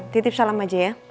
titip salam aja ya